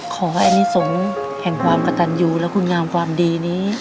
ขอให้อนิสงฆ์แห่งความกระตันยูและคุณงามความดีนี้